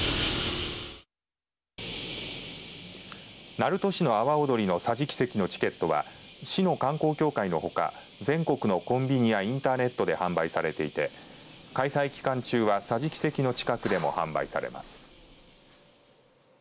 鳴門市の阿波おどりの桟敷席のチケットは市の観光協会のほか全国のコンビニやインターネットで販売されていて開催期間中は桟敷席の近くでも販売されます。